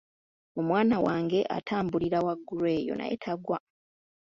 Omwana wange atambulira waggulu eyo naye tagwa.